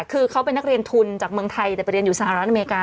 คือเขาเป็นนักเรียนทุนจากเมืองไทยแต่ไปเรียนอยู่สหรัฐอเมริกา